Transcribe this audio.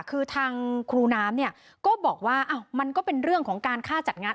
คือทางครูน้ำเนี่ยก็บอกว่ามันก็เป็นเรื่องของการค่าจัดงาน